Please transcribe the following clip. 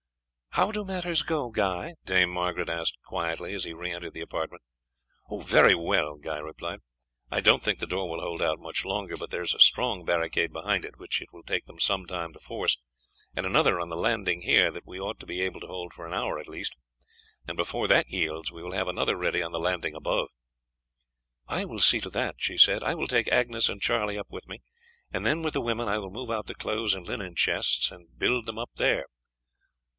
"How do matters go, Guy?" Dame Margaret asked quietly as he re entered the apartment. "Very well," he replied. "I don't think the door will hold out much longer; but there is a strong barricade behind it which it will take them some time to force, and another on the landing here that we ought to be able to hold for an hour at least, and before that yields we will have another ready on the landing above." "I will see to that," she said. "I will take Agnes and Charlie up with me, and then, with the women, I will move out the clothes' and linen chests and build them up there."